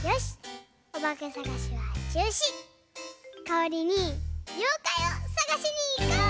かわりにようかいをさがしにいこう！